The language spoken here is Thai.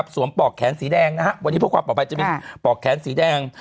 สวมปอกแขนสีแดงนะฮะวันนี้พูดความกลัวไปจะเป็นปอกแขนสีแดง